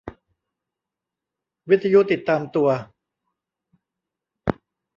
วิทยุติดตามตัว